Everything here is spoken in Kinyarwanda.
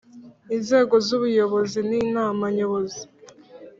Inzego z Ubuyobozi ni Inama Nyobozi